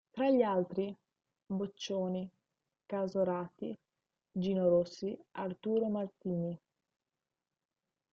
Tra gli altri: Boccioni, Casorati, Gino Rossi, Arturo Martini.